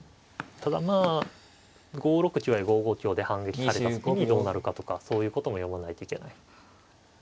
ただまあ５六香や５五香で反撃された時にどうなるかとかそういうことも読まないといけない。